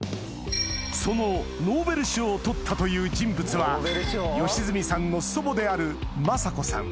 そのノーベル賞を取ったという人物は良純さんの祖母である政子さん